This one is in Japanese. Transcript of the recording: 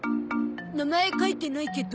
名前書いてないけど。